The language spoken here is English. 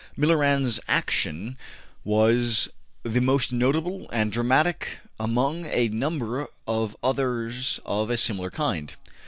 Millerand's action was the most notable and dramatic among a number of others of a similar kind.